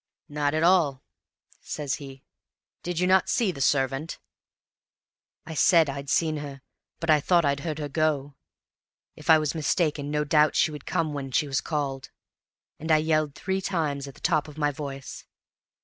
"'Not at all,' says he; 'did you not see the servant?' "I said I'd seen her, but I thought I'd heard her go; if I was mistaken no doubt she would come when she was called; and I yelled three times at the top of my voice.